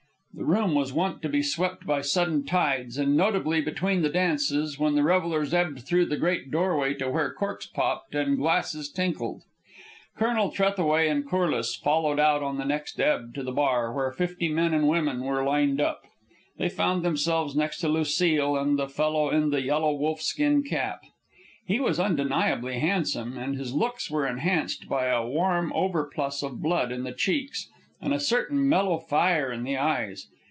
The room was wont to be swept by sudden tides, and notably between the dances, when the revellers ebbed through the great doorway to where corks popped and glasses tinkled. Colonel Trethaway and Corliss followed out on the next ebb to the bar, where fifty men and women were lined up. They found themselves next to Lucile and the fellow in the yellow wolf skin cap. He was undeniably handsome, and his looks were enhanced by a warm overplus of blood in the cheeks and a certain mellow fire in the eyes.